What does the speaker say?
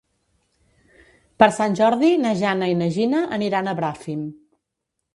Per Sant Jordi na Jana i na Gina aniran a Bràfim.